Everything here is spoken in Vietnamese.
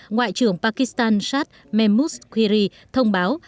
ngoại trưởng pakistan shah mehmood khiri thông báo